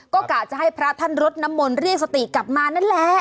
ก็กะจะให้พระท่านรดน้ำมนต์เรียกสติกลับมานั่นแหละ